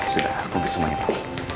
sudah aku ambil semuanya pak